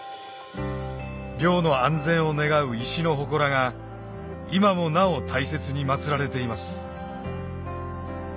漁の安全を願う石のほこらが今もなお大切に祭られています